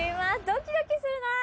ドキドキするなあ。